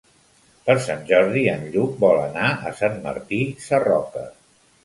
Per Sant Jordi en Lluc vol anar a Sant Martí Sarroca.